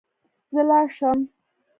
زه لاړ شم